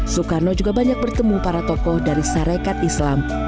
soekarno juga banyak bertemu para tokoh dari sarekat islam